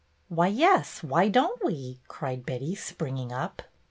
''Why, yes, why don't we?" cried Betty, springing up.